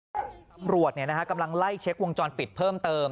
ตำรวจกำลังไล่เช็ควงจรปิดเพิ่มเติม